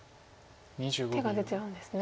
手が出ちゃうんですね。